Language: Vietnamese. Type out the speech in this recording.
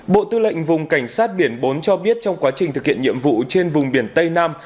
bộ tư lệnh vùng cảnh sát biển bốn cho biết trong quá trình thực hiện nhiệm vụ trên vùng biển tây nam